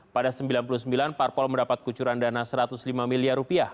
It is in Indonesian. pada seribu sembilan ratus sembilan puluh sembilan parpol mendapat kucuran dana rp satu ratus lima miliar